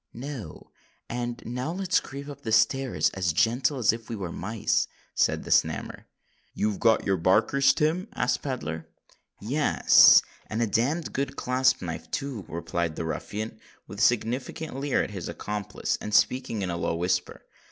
"No. And now let's creep up stairs as gentle as if we was mice," said the Snammer. "You've got your barkers, Tim?" asked Pedler. "Yes—and a damned good clasp knife too," replied the ruffian, with a significant leer at his accomplice, and speaking in a low whisper.